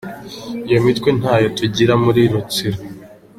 Iyo mitwe ntayo tugira muri Rutsiro.